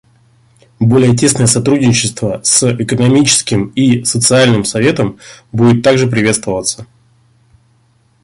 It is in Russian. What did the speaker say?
Более тесное сотрудничество с Экономическим и Социальным Советом будет также приветствоваться.